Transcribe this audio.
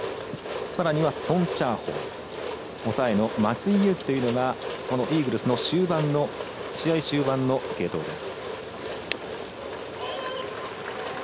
さらには宋家豪抑えの松井裕樹というのがイーグルスの試合終盤の継投です。